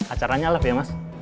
acaranya live ya mas